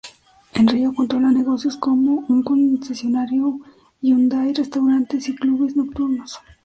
En Río controla negocios como un concesionario Hyundai, restaurantes y clubes nocturnos.